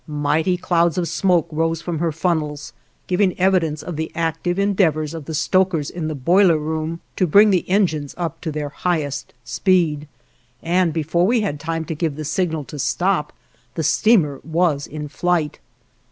Mighty clouds of smoke rose from her funnels, giving evidence of the active endeavors of the stokers in the boiler room to bring the engines up to their highest speed, and before we had time to give the signal to stop, the steamer was in flight.